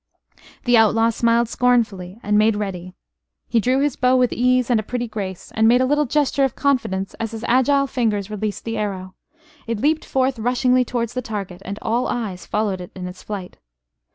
The outlaw smiled scornfully and made ready. He drew his bow with ease and a pretty grace, and made a little gesture of confidence as his agile fingers released the arrow. It leaped forth rushingly towards the target, and all eyes followed it in its flight.